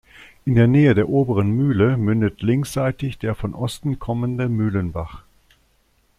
In der Nähe der "Oberen Mühle" mündet linksseitig der von Osten kommende "Mühlenbach".